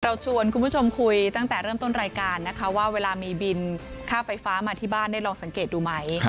ชวนคุณผู้ชมคุยตั้งแต่เริ่มต้นรายการนะคะว่าเวลามีบินค่าไฟฟ้ามาที่บ้านได้ลองสังเกตดูไหม